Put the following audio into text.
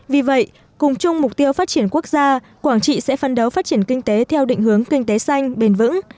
vì vậy cùng chung mục tiêu phát triển quốc gia quảng trị sẽ phân đấu phát triển kinh tế theo định hướng kinh tế xanh bền vững